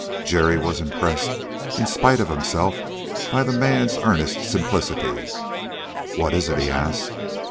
Jerry was impressed in spite of himself by the man's earnest simplicity. "What is it?" he asked.